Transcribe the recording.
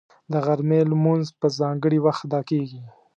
د غرمې لمونځ په ځانګړي وخت ادا کېږي